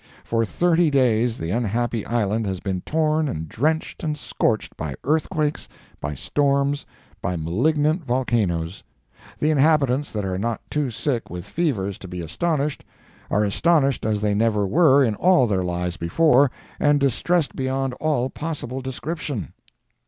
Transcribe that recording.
For thirty days the unhappy island has been torn and drenched and scorched by earthquakes, by storms, by malignant volcanoes! The inhabitants that are not too sick with fevers to be astonished, are astonished as they never were in all their lives before, and distressed beyond all possible description.